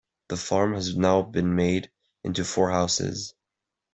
The farm has now been made into four houses.